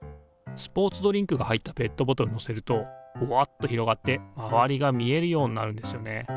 スポーツドリンクが入ったペットボトルのせるとボワッと広がって周りが見えるようになるんですよね。